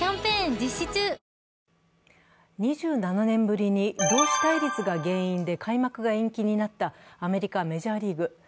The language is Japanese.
２７年ぶりに労使対立が原因で開幕が延期になったアメリカ・メジャーリーグ。